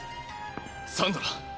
サンドラ